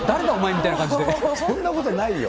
誰だ、そんなことないよ。